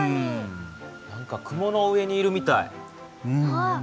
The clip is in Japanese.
何か雲の上にいるみたい。